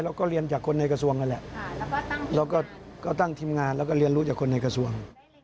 เราก็เรียนจากคนในกระทรวงนั่นแหละแล้วก็ตั้งทีมงานแล้วก็เรียนรู้จากคนในกระทรวง